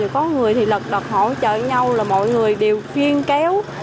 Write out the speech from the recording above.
có người thì lật đặt hỗ trợ nhau là mọi người đều phiên kéo